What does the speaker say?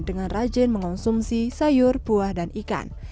dengan rajin mengonsumsi sayur buah dan ikan